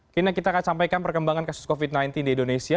kini kita akan sampaikan perkembangan kasus covid sembilan belas di indonesia